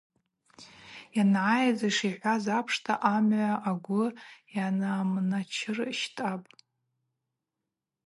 Йъанайыз – йшихӏваз апшта амгӏва агвы айамначыр щтӏапӏ.